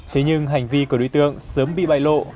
thế nhưng hành vi của đối tượng sớm bị bại lộ